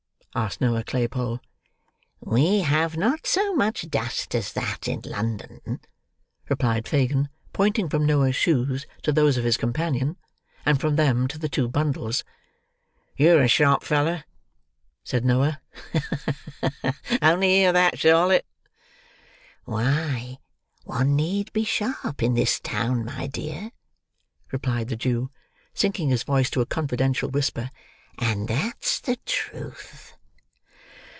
asked Noah Claypole. "We have not so much dust as that in London," replied Fagin, pointing from Noah's shoes to those of his companion, and from them to the two bundles. "Yer a sharp feller," said Noah. "Ha! ha! only hear that, Charlotte!" "Why, one need be sharp in this town, my dear," replied the Jew, sinking his voice to a confidential whisper; "and that's the truth."